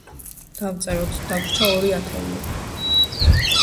დავწეროთ, დაგვრჩა ორი ათეული.